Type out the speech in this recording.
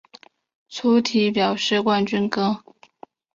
粗体表示冠军歌